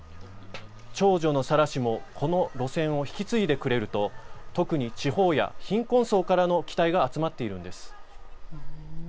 長女のサラ氏もこの路線を引き継いでくれると特に地方や貧困層からの期待が集っているんです。